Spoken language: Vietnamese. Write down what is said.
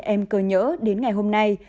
em cờ nhỡ đến ngày hôm nay